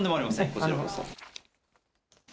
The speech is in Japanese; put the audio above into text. こちらこそ。